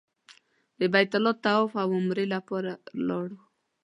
د بیت الله طواف او عمرې لپاره لاړو.